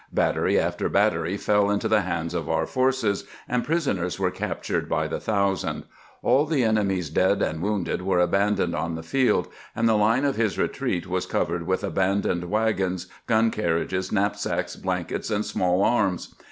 Battery after battery fell into the hands of our forces, and pris oners were captured by the thousand. All the enemy's dead and wounded were abandoned on the field, and the line of his retreat was covered with abandoned wagons, gun carriages, knapsacks, blankets, and small arms.